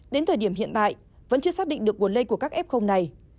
đến thời điểm hiện tại vẫn chưa xác định được nguồn lây của các f này